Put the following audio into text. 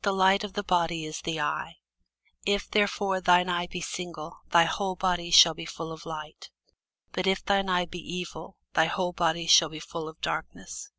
The light of the body is the eye: if therefore thine eye be single, thy whole body shall be full of light. But if thine eye be evil, thy whole body shall be full of darkness.